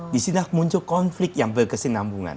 di sini muncul konflik yang berkesinambungan